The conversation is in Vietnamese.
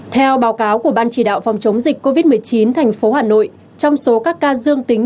theo báo cáo của ban chỉ đạo phòng chống dịch covid một mươi chín thành phố hà nội trong số các ca dương tính